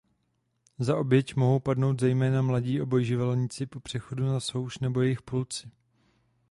Za oběť mohou padnout zejména mladí obojživelníci po přechodu na souš nebo jejich pulci.